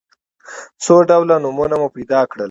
څو ډوله نومونه مو پیدا کړل.